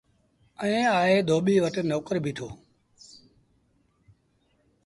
ائيٚݩ آئي ڌوٻيٚ وٽ نوڪر بيٚٺو۔